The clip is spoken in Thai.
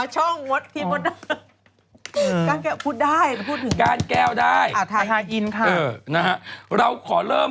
อ๋อใช่ใช่ใช่ถูกหรือยังว่าก็เนี่ย